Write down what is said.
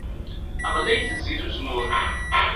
Ɣlayet zzit n uzemmur.